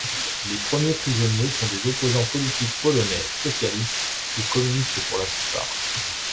Les premiers prisonniers sont des opposants politiques polonais, socialistes ou communistes pour la plupart.